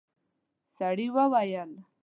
سړي وويل: